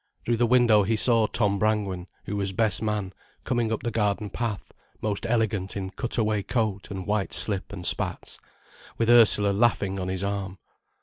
Through the window he saw Tom Brangwen, who was best man, coming up the garden path most elegant in cut away coat and white slip and spats, with Ursula laughing on his arm.